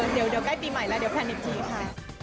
เดี๋ยวใกล้ปีใหม่แล้วเดี๋ยวแพลนอีกทีค่ะ